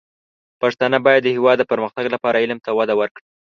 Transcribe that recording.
پښتانه بايد د هېواد د پرمختګ لپاره علم ته وده ورکړي.